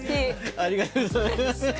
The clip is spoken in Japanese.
ありがとうございます。